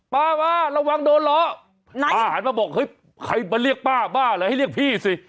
ป๊าระวังโดนล้อบอกใครมาเรียกป๊าล้ออะไรให้เรียกพี่สิ